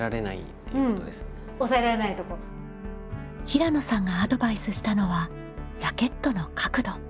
平野さんがアドバイスしたのはラケットの角度。